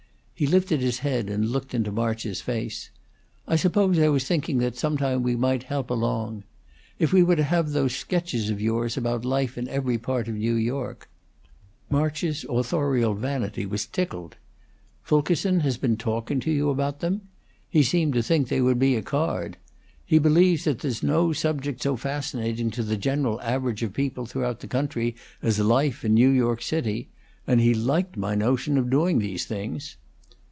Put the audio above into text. He lifted his head and looked into March's face. "I suppose I was thinking that some time we might help along. If we were to have those sketches of yours about life in every part of New York " March's authorial vanity was tickled. "Fulkerson has been talking to you about them? He seemed to think they would be a card. He believes that there's no subject so fascinating to the general average of people throughout the country as life in New York City; and he liked my notion of doing these things."